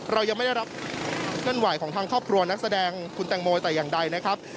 เรายังไม่ได้รับเคลื่อนไหวของทางครอบครัวนักแสดงคุณแตงโมแต่อย่างใดนะครับ